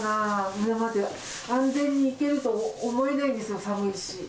上まで安全に行けると思えないんですよ、寒いし。